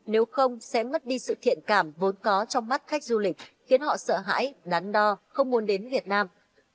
nếu không sẽ mất đi sự thiện cảm vốn có trong mắt khách du lịch khiến họ sợ hãi đắn đo không muốn đến việt nam